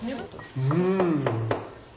うん！